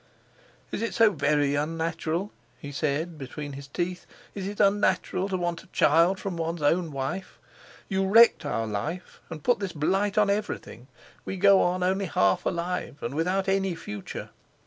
"Is it so very unnatural?" he said between his teeth, "Is it unnatural to want a child from one's own wife? You wrecked our life and put this blight on everything. We go on only half alive, and without any future.